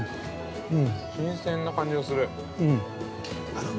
新鮮な感じがする。